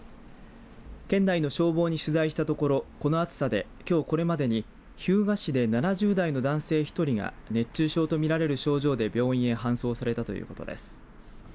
県内の消防に取材したところこの暑さできょうこれまでに日向市で７０代の男性１人が熱中症と見られる症状で病院に搬送されたということです。